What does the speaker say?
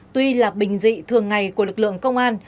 tuy là bình dị thường ngày của lực lượng công an